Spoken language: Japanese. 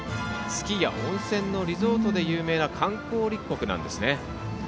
スキーや温泉リゾートで有名な観光立国なんですね。